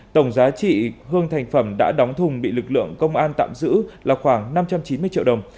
tổng giá trị hương thành phẩm đã đóng thùng bị lực lượng công an tạm giữ là khoảng năm trăm chín mươi triệu đồng